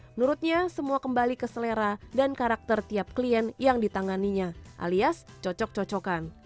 menurutnya semua kembali ke selera dan karakter tiap klien yang ditanganinya alias cocok cocokan